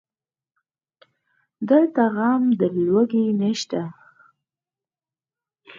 دلته غم د لوږې نشته